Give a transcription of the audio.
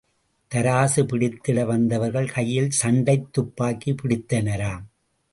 தராசு பிடித்திட வந்தவர்கள் கையில் சண்டைத் துப்பாக்கி பிடித்தனராம்!